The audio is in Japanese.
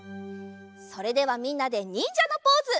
それではみんなでにんじゃのポーズ。